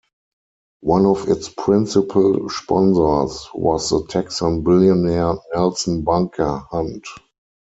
One of its principal sponsors was the Texan billionaire Nelson Bunker Hunt.